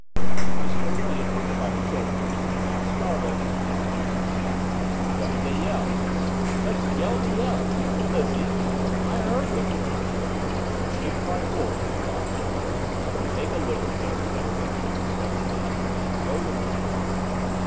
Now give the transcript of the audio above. Miss Cornelia took her by the shoulder half startled, half dubious. "What did they yell?" "Just yelled a yell!" "Lizzie!" "I heard them!" But she had cried "Wolf!" too often. "You take a liver pill," said her mistress disgustedly, "and go to bed."